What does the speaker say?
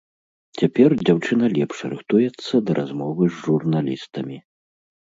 Цяпер дзяўчына лепш рыхтуецца да размовы з журналістамі.